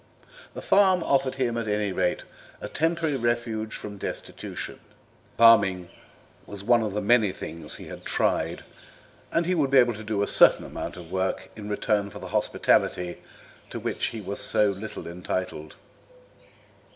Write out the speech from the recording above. The farm offered him, at any rate, a temporary refuge from destitution; farming was one of the many things he had "tried," and he would be able to do a certain amount of work in return for the hospitality to which he was so little entitled.